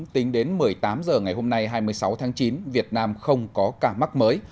tính đến một mươi tám h ngày hôm nay hai mươi sáu tháng chín việt nam không có ca mắc mới